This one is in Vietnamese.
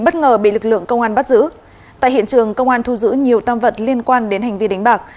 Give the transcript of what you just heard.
tại hiện trường công an thu giữ nhiều tam vật liên quan đến hành vi đánh bạc